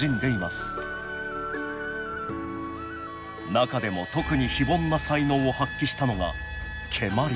中でも特に非凡な才能を発揮したのが蹴鞠。